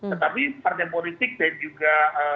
tetapi partai politik dan juga